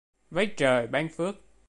Váy trời ban phước